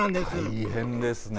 大変ですね。